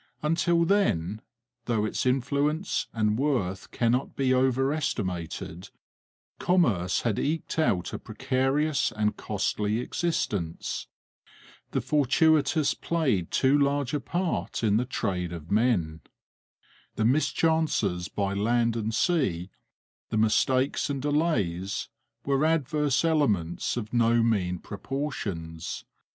Until then, though its influence and worth cannot be overestimated, commerce had eked out a precarious and costly existence. The fortuitous played too large a part in the trade of men. The mischances by land and sea, the mistakes and delays, were adverse elements of no mean proportions.